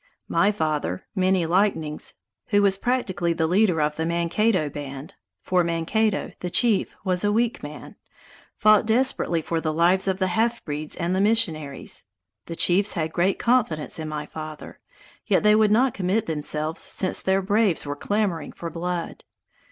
My father, Many Lightnings, who was practically the leader of the Mankato band (for Mankato, the chief, was a weak man), fought desperately for the lives of the half breeds and the missionaries. The chiefs had great confidence in my father, yet they would not commit themselves, since their braves were clamoring for blood.